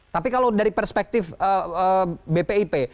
tapi kalau dari perspektif bpip